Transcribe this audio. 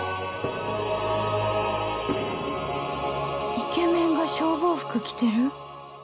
・イケメンが消防服着てる？